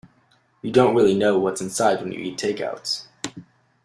You don't really know what's inside when you eat takeouts.